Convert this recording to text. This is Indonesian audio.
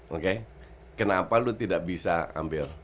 oke kenapa lu tidak bisa ambil